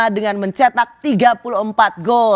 dengan mencetak tiga puluh empat gol